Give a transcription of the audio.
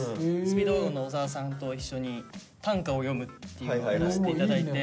スピードワゴンの小沢さんと一緒に短歌を詠むっていうのをやらせて頂いて。